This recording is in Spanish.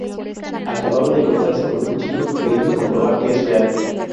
Acababa de cortarse con un cuchillo, queriendo comprobar que es real.